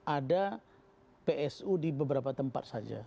ada psu di beberapa tempat saja